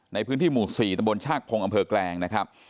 ในพื้นที่หมู่๔ตำบลชากพงศ์อำเภอแกลงนะครับ